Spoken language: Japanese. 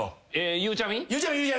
ゆうちゃみ！